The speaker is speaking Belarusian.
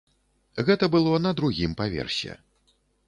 Гэта было на другім паверсе.